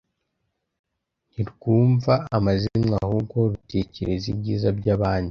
ntirwumva amazimwe, ahubwo rutekereza ibyiza by’abandi.